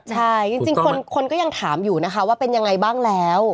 ใช่จริงคนก็ยังถามอยู่นะคะว่าเป็นยังไงบ้างแล้ว